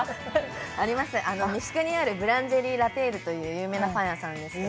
あります、ブーランジェリーラ・テールという有名なパン屋さんですね。